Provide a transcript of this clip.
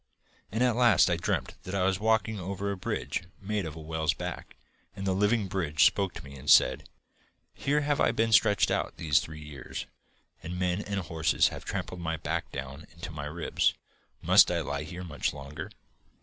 'And at last I dreamt that I was walking over a bridge made of a whale's back, and the living bridge spoke to me and said: "Here have I been stretched out these three years, and men and horses have trampled my back down into my ribs. Must I lie here much longer?"